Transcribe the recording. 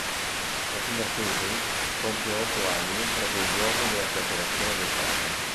Sua figlia Casey compie otto anni proprio il giorno della scarcerazione del padre.